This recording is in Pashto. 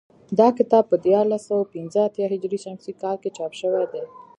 دا کتاب په دیارلس سوه پنځه اتیا هجري شمسي کال کې چاپ شوی دی